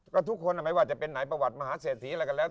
ก็ทุกคนไม่ว่าจะเป็นไหนประวัติมหาเศรษฐีอะไรก็แล้ว